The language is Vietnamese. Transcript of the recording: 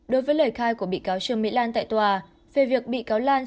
đối với lời khai của bị cáo trương mỹ lan tại tòa về việc bị cáo lan